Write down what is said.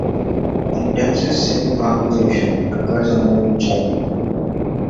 Intensive civic conversation occurs online in China.